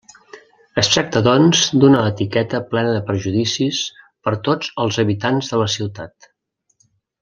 Es tracta doncs d'una etiqueta plena de prejudicis per tots els habitants de la ciutat.